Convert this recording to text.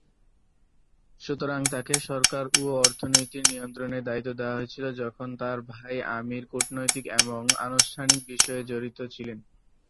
সুতরাং, তাকে সরকার ও অর্থনীতির নিয়ন্ত্রণের দায়িত্ব দেওয়া হয়েছিল, যখন তার ভাই আমির কূটনৈতিক এবং আনুষ্ঠানিক বিষয়ে জড়িত ছিলেন।